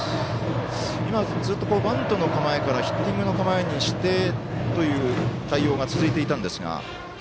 今、ずっとバントの構えからヒッティングの構えにしてという対応が続いていたんですが。